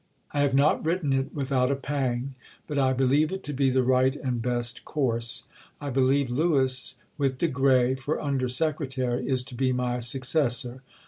I have not written it without a pang, but I believe it to be the right and best course. I believe Lewis, with de Grey for under secretary, is to be my successor.